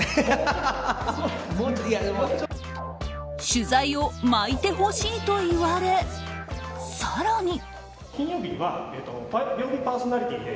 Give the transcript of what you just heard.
取材を巻いてほしいと言われ更に。